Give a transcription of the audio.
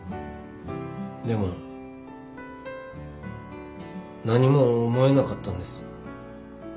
でも何も思えなかったんです。